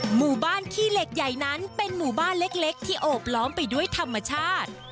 หมู่บ้านขี้เหล็กใหญ่นั้นเป็นหมู่บ้านเล็กที่โอบล้อมไปด้วยธรรมชาติ